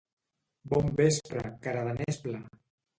Bon vespre, cara de nespla!